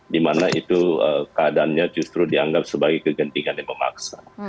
dimana itu keadaannya justru dianggap sebagai kegentingan yang memaksa